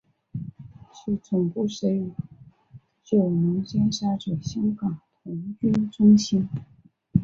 其总部设于九龙尖沙咀香港童军中心。